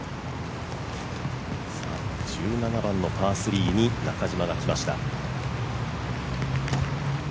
１７番のパー３に中島が来ました。